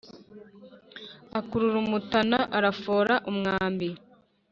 akurura umutana arafora umwambi